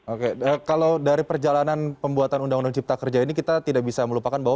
oke kalau dari perjalanan pembuatan undang undang cipta kerja ini kita tidak bisa melupakan bahwa